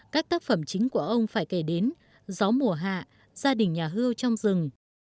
các tác phẩm chính của ông phải kể đến gió mùa hạ gia đình nhà hư trong rừng